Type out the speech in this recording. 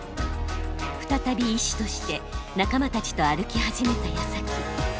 再び医師として仲間たちと歩き始めたやさき。